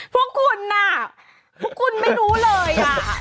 พวกคุณน่ะพวกคุณไม่รู้เลย